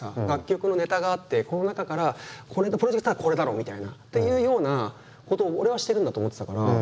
楽曲のネタがあってこの中からこれのプロジェクトはこれだろみたいなっていうようなことを俺はしてるんだと思ってたから。